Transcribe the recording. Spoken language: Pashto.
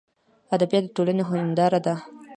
ادبیات دټولني هنداره ده.